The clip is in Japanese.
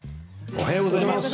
おはようございます。